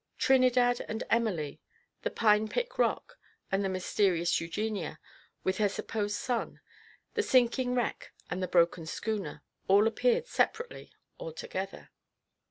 Trinidad and Emily, the Nine Pin Rock, and the mysterious Eugenia, with her supposed son; the sinking wreck, and the broken schooner, all appeared separately or together.